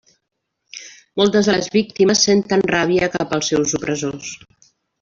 Moltes de les víctimes senten ràbia cap als seus opressors.